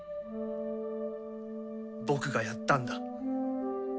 僕がやったんだ。